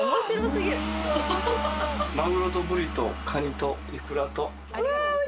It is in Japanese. マグロとブリとカニとイクラと。